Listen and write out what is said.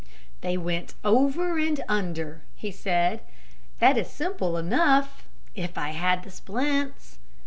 "They went over and under," he said. "That is simple enough if I had the splints."